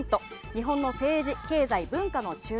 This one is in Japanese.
日本の政治・経済・文化の中枢。